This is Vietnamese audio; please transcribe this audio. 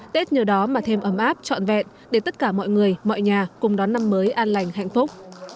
tết nhờ đó mà thêm ấm áp trọn vẹn để tất cả mọi người mọi nhà cùng đón năm mới an lành hạnh phúc